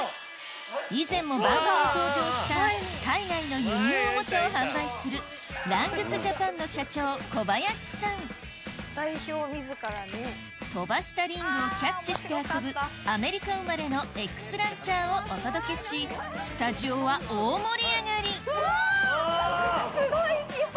以前も番組に登場した海外の輸入おもちゃを販売する飛ばしたリングをキャッチして遊ぶアメリカ生まれのＸランチャーをお届けしスタジオは大盛り上がりうわ！